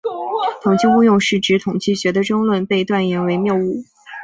统计误用是指统计学的争论被断言为谬误。